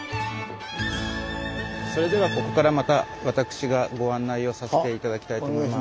それではここからまた私がご案内をさせて頂きたいと思います。